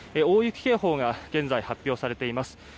大雪警報が現在発表されています。